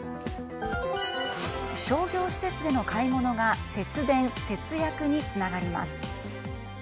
商業施設での買い物が節電・節約につながります。